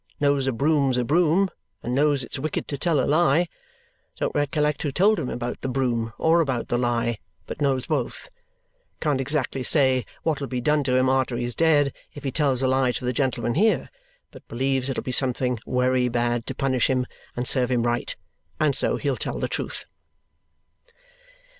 Knows a broom's a broom, and knows it's wicked to tell a lie. Don't recollect who told him about the broom or about the lie, but knows both. Can't exactly say what'll be done to him arter he's dead if he tells a lie to the gentlemen here, but believes it'll be something wery bad to punish him, and serve him right and so he'll tell the truth.